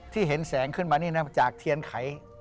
ที่เห็นแสงขึ้นมาเนี่ยนะจากเทียนไข